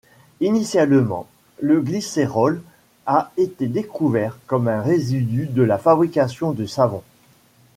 Initialement le glycérol a été découvert comme un résidu de la fabrication du savon.